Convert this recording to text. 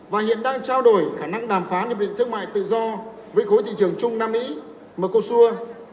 và hiện đang trao đổi khả năng đàm phán hiệp định thương mại tự do với khối thị trường trung nam mỹ mcosur